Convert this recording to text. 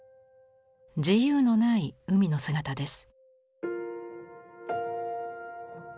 自由のない海の姿です。